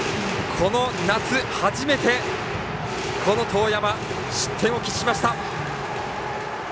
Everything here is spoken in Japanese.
この夏、初めて當山が失点を喫しました。